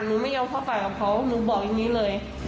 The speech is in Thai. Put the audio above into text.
หนูไม่ยอมเข้าปากกับเขาหนูบอกอย่างนี้เลย